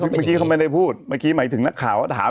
เมื่อกี้เขาไม่ได้พูดเมื่อกี้หมายถึงนักข่าวก็ถาม